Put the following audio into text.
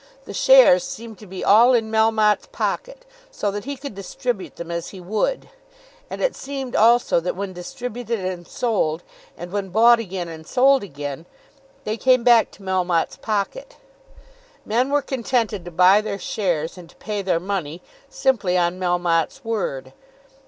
The shares seemed to be all in Melmotte's pocket, so that he could distribute them as he would; and it seemed also that when distributed and sold, and when bought again and sold again, they came back to Melmotte's pocket. Men were contented to buy their shares and to pay their money, simply on Melmotte's word.